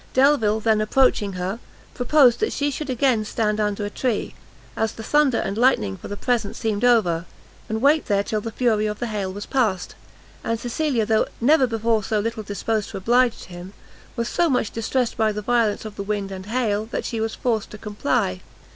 Delvile then approaching her, proposed that she should again stand under a tree, as the thunder and lightning for the present seemed over, and wait there till the fury of the hail was past; and Cecilia, though never before so little disposed to oblige him, was so much distressed by the violence of the wind and hail, that she was forced to comply.